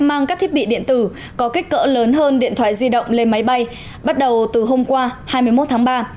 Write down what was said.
mang các thiết bị điện tử có kích cỡ lớn hơn điện thoại di động lên máy bay bắt đầu từ hôm qua hai mươi một tháng ba